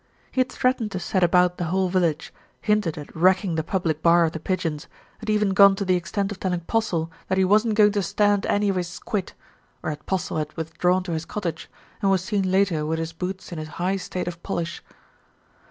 He had threatened to set about the whole village, hinted at wrecking the public bar of The Pigeons, and even gone to the extent of telling Postle that he wasn't MR. GADGETT TELLS THE TRUTH 333 going to stand any of his "squit," whereat Postle had withdrawn to his cottage, and was seen later with his boots in a high state of polish.